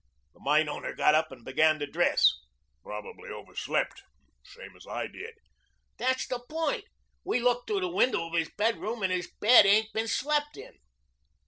The mine owner got up and began to dress. "Probably overslept, same as I did." "That's the point. We looked through the window of his bedroom and his bed ain't been slept in."